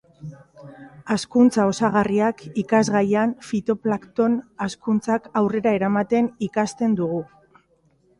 Hazkuntza osagarriak ikasgaian fitoplakton hazkuntzak aurrera eramaten ikasten dugu